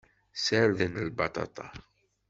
Ssarden lbaṭaṭa.